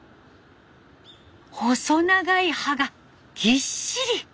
細長い葉がぎっしり！